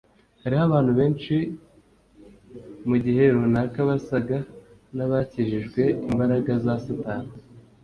hariho abantu benshi mu gihe runaka basaga n'abakijijwe imbaraga za Satani.